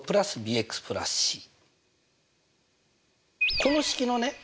この式のね